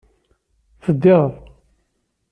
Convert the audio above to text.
Teddiḍ.